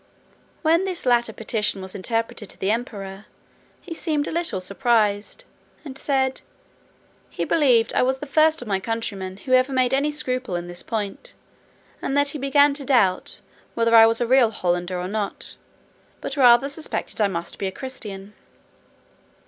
When this latter petition was interpreted to the Emperor, he seemed a little surprised; and said, "he believed I was the first of my countrymen who ever made any scruple in this point; and that he began to doubt, whether I was a real Hollander, or not; but rather suspected I must be a Christian.